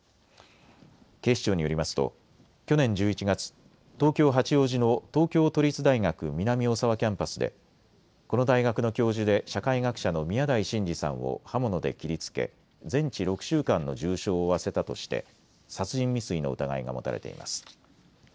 警視庁によりますと去年１１月、東京八王子の東京都立大学南大沢キャンパスでこの大学の教授で社会学者の宮台真司さんを刃物で切りつけ全治６週間の重傷を負わせたとして殺人未遂の疑いが持たれています。